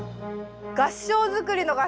合掌造りの合掌だ。